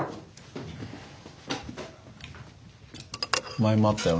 前もあったよな